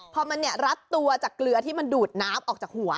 พอมันรัดตัวจากเกลือที่มันดูดน้ำออกจากหัว